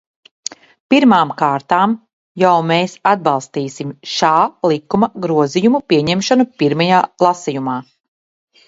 Pirmām kārtām jau mēs atbalstīsim šā likuma grozījumu pieņemšanu pirmajā lasījumā.